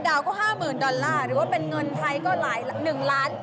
๕ดาวก็๕หมื่นดอลลาร์หรือว่าเป็นเงินไทยก็หลาย๑๗๕๐๐๐๐บาท